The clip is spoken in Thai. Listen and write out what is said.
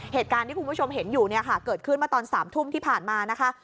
เหตุการณ์ที่คุณผู้ชมเห็นอยู่เนี่ยค่ะเกิดขึ้นมาตอน๓ทุ่มที่ผ่านมานะคะ